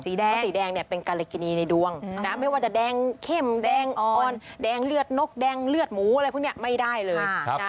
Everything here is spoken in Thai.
สีแดงเนี่ยเป็นกาลิกินีในดวงไม่ว่าจะแดงเข้มแดงอ่อนแดงเลือดนกแดงเลือดหมูอะไรพวกนี้ไม่ได้เลย